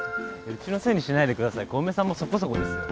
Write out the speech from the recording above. うちのせいにしないでください小梅さんもそこそこですよ。